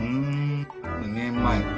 ２年前か。